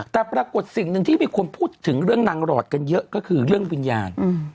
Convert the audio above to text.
แต่ปรากฏสิ่งหนึ่งที่มีคนพูดถึงเรื่องนางหลอดกันเยอะก็คือเรื่องวิญญาณ